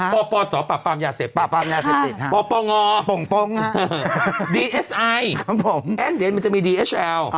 ปปสปปยาเสพปปงปปดีเอสไอแอดเดนมันจะมีดีเอชแอล